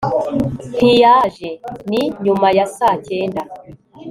ntiyaje. ni nyuma ya saa cyenda